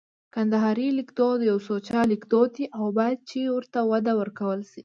کندهارۍ لیکدود یو سوچه لیکدود دی او باید چي ورته وده ورکول سي